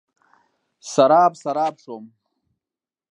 سراب، سراب شوم